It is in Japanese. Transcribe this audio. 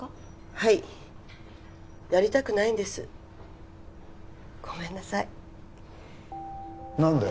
はいやりたくないんですごめんなさい何で？